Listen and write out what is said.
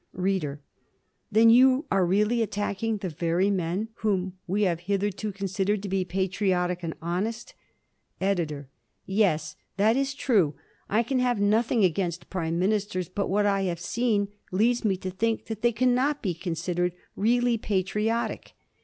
READER: Then you are really attacking the very men whom we have hitherto considered to be patriotic and honest? EDITOR: Yes, that is true; I can have nothing against Prime Ministers, but what I have seen leads me to think that they cannot be considered really patriotic.